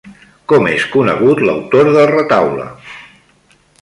Com és conegut l'autor del retaule?